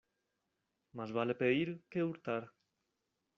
Más vale pedir que hurtar.